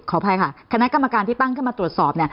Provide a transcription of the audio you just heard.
ขออภัยค่ะคณะกรรมการที่ตั้งมาตรวจสอบ